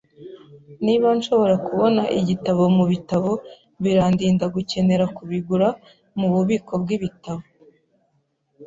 Niba nshobora kubona igitabo mubitabo, birandinda gukenera kubigura mububiko bwibitabo.